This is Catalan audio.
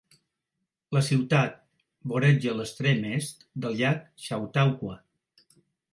La ciutat voreja l'extrem est del llac Chautauqua.